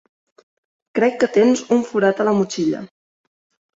Crec que tens un forat a la motxilla.